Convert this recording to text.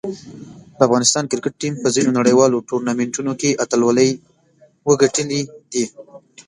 د افغانستان کرکټ ټیم په ځینو نړیوالو ټورنمنټونو کې اتلولۍ وګټلې دي.